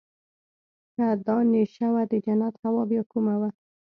که دا نېشه وه د جنت هوا بيا کومه وه.